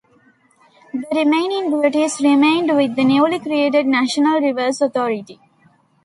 The remaining duties remained with the newly created National Rivers Authority.